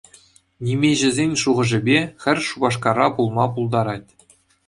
Нимеҫӗсен шухӑшӗпе, хӗр Шупашкара пулма пултарать.